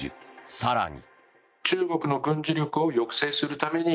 更に。